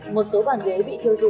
một số bàn ghế bị thiêu dụ